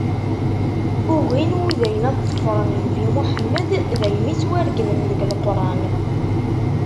Ugin Wudayen ad ḍefren nnbi Muḥemmed, daymi ttwaregmen deg Leqran.